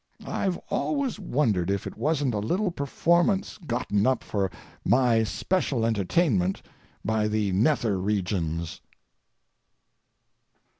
I've always wondered if it wasn't a little performance gotten up for my especial entertainment by the nether regions.